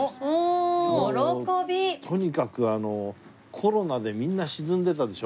とにかくコロナでみんな沈んでたでしょ？